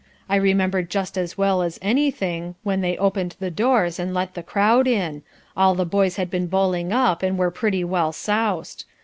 I remember just as well as anything, when they opened the doors and let the crowd in: all the boys had been bowling up and were pretty well soused.